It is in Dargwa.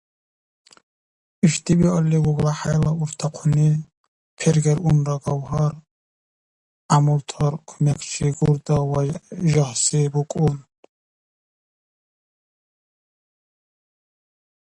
Ишди биалли ГуглахӀяйла уртахъуни: пергер унра Гавгьар, гӀямултар кумекчи Гурда, ва жагьси букӀун.